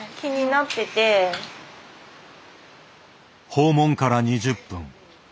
訪問から２０分。